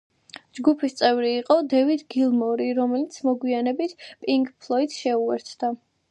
ჯგუფის წევრი იყო დევიდ გილმორი, რომელიც მოგვიანებით პინკ ფლოიდს შეუერთდა.